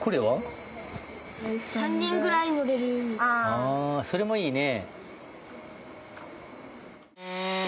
ああそれもいいね。